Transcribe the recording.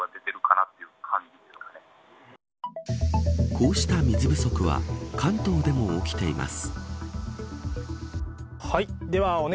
こうした水不足は関東でも起きています。